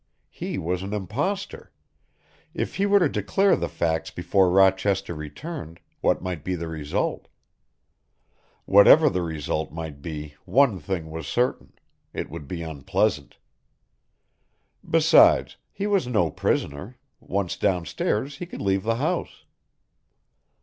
He was an impostor. If he were to declare the facts before Rochester returned, what might be the result? Whatever the result might be one thing was certain, it would be unpleasant. Besides, he was no prisoner, once downstairs he could leave the house.